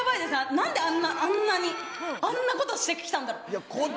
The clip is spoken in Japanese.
なんであんな、あんなに、あんなことしてきたんだろ。